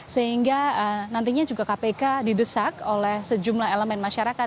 sehingga nantinya juga kpk didesak oleh sejumlah elemen masyarakat